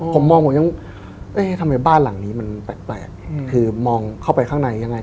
ผมมองผมยังเอ๊ะทำไมบ้านหลังนี้มันแปลกคือมองเข้าไปข้างในยังไง